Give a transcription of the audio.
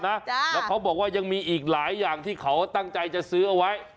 แล้วเขาบอกว่ายังมีอีกหลายอย่างที่เขาตั้งใจจะซื้อเอาไว้